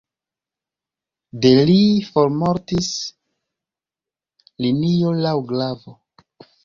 De li formortis linio laŭ glavo.